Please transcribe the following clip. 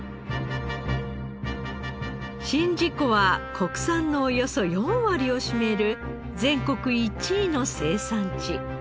宍道湖は国産のおよそ４割を占める全国１位の生産地。